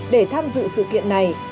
để tham dự sự kiện này